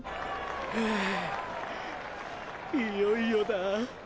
ふぅいよいよだ。